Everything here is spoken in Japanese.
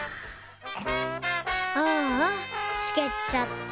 ・ああ湿気っちゃった。